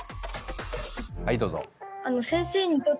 はいどうぞ。